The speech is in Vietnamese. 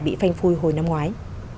bị phanh phui hồi năm ngoái